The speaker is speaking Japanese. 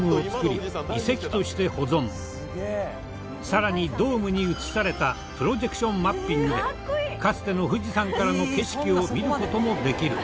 更にドームに映されたプロジェクションマッピングでかつての富士山からの景色を見る事もできる。